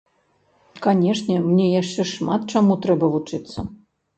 Канешне, мне яшчэ шмат чаму трэба вучыцца.